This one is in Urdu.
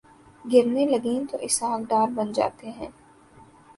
گرنے لگیں تو اسحاق ڈار بن جاتے ہیں۔